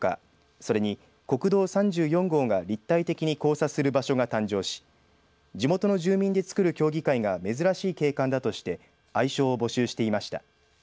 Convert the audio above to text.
それに、国道３４号が立体的に交差する場所が誕生し地元の住民でつくる協議会が珍しい景観だとして愛称を募集していました。